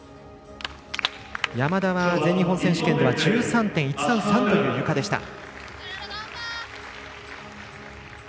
山田は全日本選手権では１３．１３３というゆかでした。